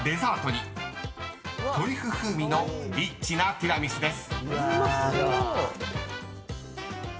［トリュフ風味のリッチなティラミスです］